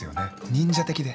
忍者的で。